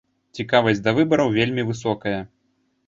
Цікавасць да выбараў вельмі высокая.